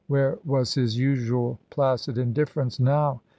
Where was his usual placid indifference now?